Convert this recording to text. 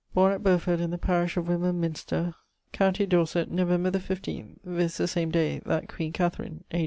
borne at Berford in the parish of Wimburne Minster com. Dorset, November the 15th (viz. the same day that Queen Katherine), A.